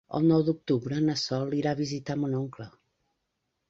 El nou d'octubre na Sol irà a visitar mon oncle.